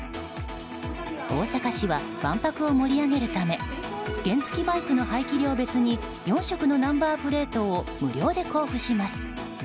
大阪市は万博を盛り上げるため原付きバイクの排気量別に４色のナンバープレートを無料で交付します。